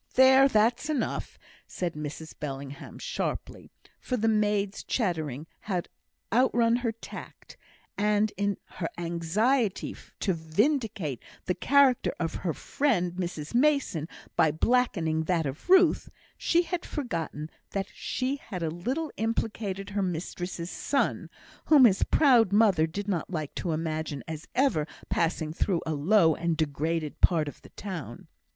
"There! that's enough," said Mrs Bellingham, sharply, for the maid's chattering had outrun her tact; and in her anxiety to vindicate the character of her friend Mrs Mason by blackening that of Ruth, she had forgotten that she a little implicated her mistress's son, whom his proud mother did not like to imagine as ever passing through a low and degraded part of the town.